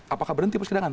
apakah berhenti persidangan